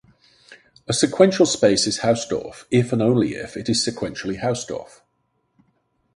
A sequential space is Hausdorff if and only if it is sequentially Hausdorff.